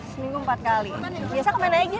seminggu empat kali biasanya kemana aja